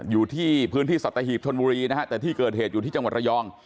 อยู่ที่พื้นที่สัตหีบชนบุรีนะฮะแต่ที่เกิดเหตุอยู่ที่จังหวัดระยอง